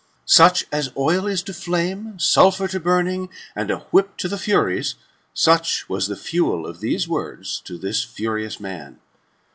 Such as oil is to flame, sulphur to burning, and a whip to the Furies, such was the fuel of these words to this furious man.